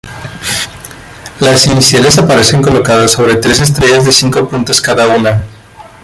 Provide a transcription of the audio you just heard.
Las iniciales aparecen colocadas sobre tres estrellas de cinco puntas cada una.